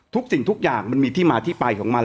สิ่งทุกอย่างมันมีที่มาที่ไปของมัน